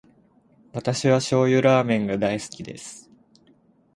私は醤油ラーメンが大好きです。